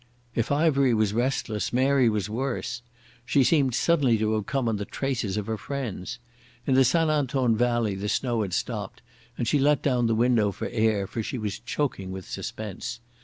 If Ivery was restless, Mary was worse. She seemed suddenly to have come on the traces of her friends. In the St Anton valley the snow had stopped and she let down the window for air, for she was choking with suspense.